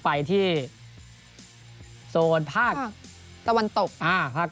ไปที่ภาคตะวันตก